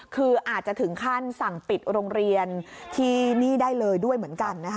คืออาจจะถึงขั้นสั่งปิดโรงเรียนที่นี่ได้เลยด้วยเหมือนกันนะคะ